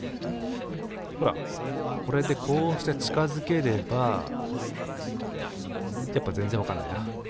ほらこれでこうして近づければやっぱ全然わかんないな。